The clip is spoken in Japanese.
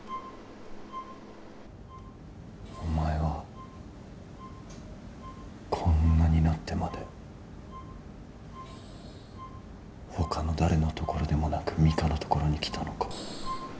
お前はこんなになってまで他の誰の所でもなくミカの所に来たのか。